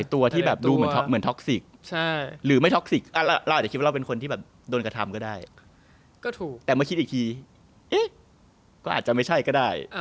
แต่มาคิดอีกทีเอ๊ะก็อาจจะไม่ใช่ก็ได้